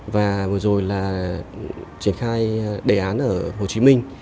và vừa rồi là triển khai đề án ở hồ chí minh